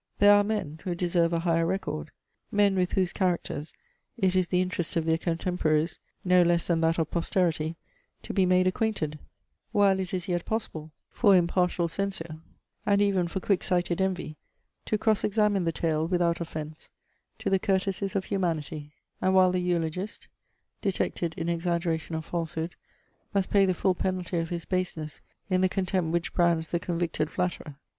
There are men, who deserve a higher record; men with whose characters it is the interest of their contemporaries, no less than that of posterity, to be made acquainted; while it is yet possible for impartial censure, and even for quick sighted envy, to cross examine the tale without offence to the courtesies of humanity; and while the eulogist, detected in exaggeration or falsehood, must pay the full penalty of his baseness in the contempt which brands the convicted flatterer.